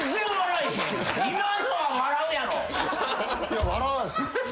いや笑わないっすよ。